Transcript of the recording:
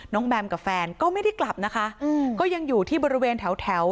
แมมกับแฟนก็ไม่ได้กลับนะคะก็ยังอยู่ที่บริเวณแถวแถว